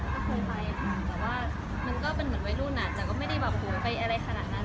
ก็คงไปค่ะแต่ว่ามันก็เป็นเหมือนวัยรุ่นอ่ะแต่ก็ไม่ได้แบบโหไปอะไรขนาดนั้น